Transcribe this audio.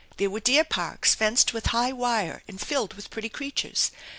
There were deer parks fenced with high wire, and filled with the pretty creatures.